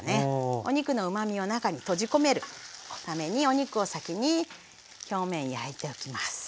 お肉のうまみを中に閉じ込めるためにお肉を先に表面焼いておきます。